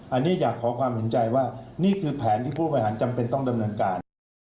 อันนี้อยากขอความเห็นใจว่านี่คือแผนที่ผู้บริหารจำเป็นต้องดำเนินการ